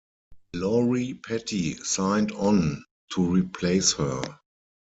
Lori Petty signed on to replace her.